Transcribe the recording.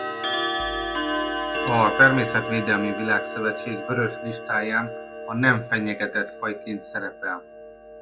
A Természetvédelmi Világszövetség Vörös Listáján a nem fenyegetett fajként szerepel.